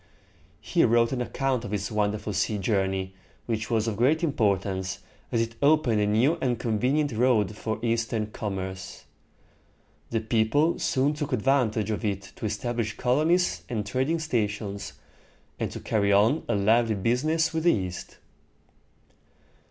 He wrote an account of this wonderful sea journey, which was of great importance, as it opened a new and convenient road for Eastern commerce. The people soon took advantage of it to establish colonies and trading stations, and to carry on a lively business with the East.